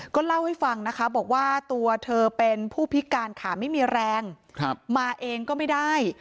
ก็เล่าให้ฟังนะคะบอกว่าตัวเธอเป็นผู้พิการขาไม่มีแรงมาเองก็ไม่ได้